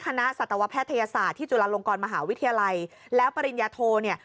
สัตวแพทยศาสตร์ที่จุฬาลงกรมหาวิทยาลัยแล้วปริญญาโทเนี่ย